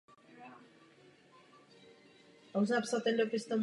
Odložil přistání a napadl nepřítele bez zálohy.